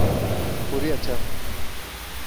Sufuria chafu.